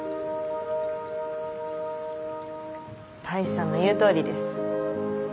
大志さんの言うとおりです。